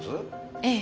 ええ。